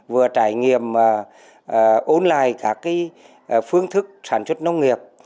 vừa trải nghiệm online các cái phương thức sản xuất nông nghiệp